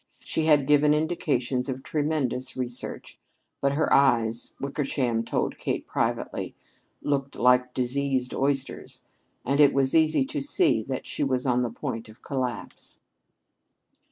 She had given indications of tremendous research. But her eyes, Wickersham told Kate privately, looked like diseased oysters, and it was easy to see that she was on the point of collapse.